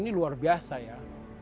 ini luar biasa ya